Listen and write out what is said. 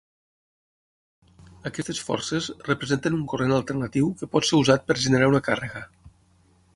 Aquestes forces representen un corrent alternatiu que pot ser usat per generar una càrrega.